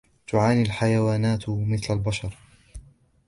تعاني الحيوانات مثل البشر.